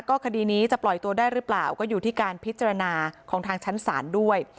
คดีนี้จะปล่อยตัวได้หรือเปล่าก็อยู่ที่การพิจารณาของทางชั้นศาลด้วย